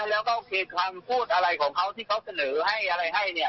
แล้วก็โอเคคำพูดอะไรของเขาที่เขาเสนอให้อะไรให้เนี่ย